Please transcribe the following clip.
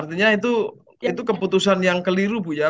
artinya itu keputusan yang keliru bu ya